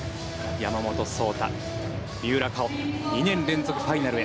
山本草太、三浦佳生２年連続ファイナルへ。